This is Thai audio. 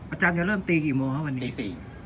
อาจารย์จะเริ่มตีกี่โมงครับวันตี๔